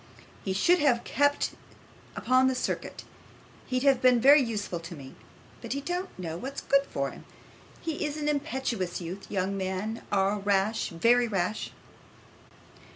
He should have kept upon this circuit; he'd have been very useful to me. But he don't know what's good for him. He is an impetuous youth. Young men are rash, very rash.